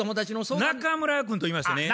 中村君といいましてね。